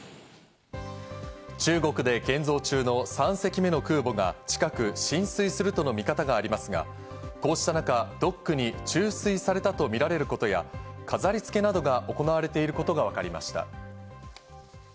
中国で建造中の３隻目の空母が近く進水するとの見方がありますが、こうした中、ドックに注水されたとみられることや、飾り付けなどが行われていることがわかりました。